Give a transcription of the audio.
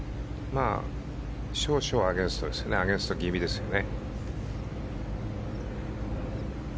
少々アゲンスト気味ですね。